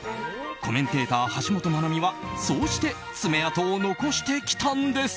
コメンテーター橋本マナミはそうして爪痕を残してきたんです。